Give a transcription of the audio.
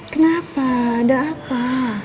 kenapa ada apa